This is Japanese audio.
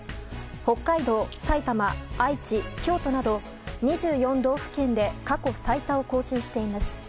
北海道、埼玉、愛知、京都など２４道府県で過去最多を更新しています。